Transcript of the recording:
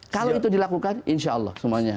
kalau itu dilakukan insya allah semuanya